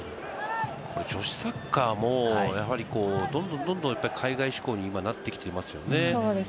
女子サッカーもどんどん、どんどん海外志向に今、なってきていますよね。